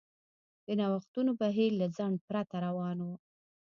د نوښتونو بهیر له ځنډ پرته روان و.